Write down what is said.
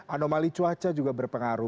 anomali cuaca juga berpengaruh